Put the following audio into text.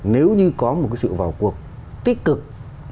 nếu như có một cái sự vào cuộc tích cực